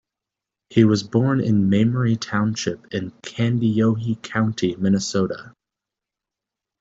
He was born in Mamre Township in Kandiyohi County, Minnesota.